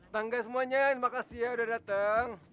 tangga semuanya terima kasih ya udah datang